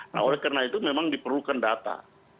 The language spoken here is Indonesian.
nah oleh karena itu memang diperlukan data